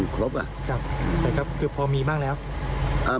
ครับแต่ครับคือพอมีบ้างแล้ว